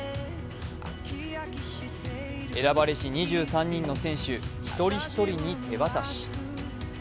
選ばれし２３人の選手一人一人に手渡し。